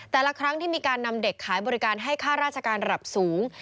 แต่ละครั้งที่มีการนำเด็กขายบริการให้ค่าราชการระดับสูง